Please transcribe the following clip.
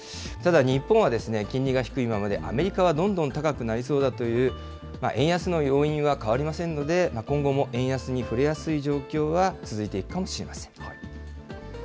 ただ、日本は金利が低いままでアメリカはどんどん高くなりそうだという、円安の要因は変わりませんので、今後も円安に振れやすい状況は続いていくかもしれません。